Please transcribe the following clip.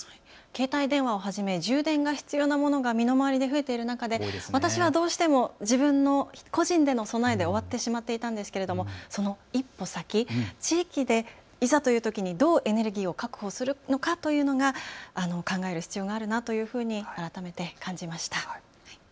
携帯電話をはじめ充電が必要なものが身の回りで増えている中で私はどうしても自分の個人での備えで終わってしまっていたんですけれどもその一歩先、地域でいざというときにどうエネルギーを確保するのかというのが考える必要があるなというふうに改めて感じました。